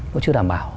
nó chưa đảm bảo